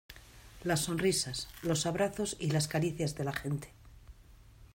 las sonrisas, los abrazos y las caricias de la gente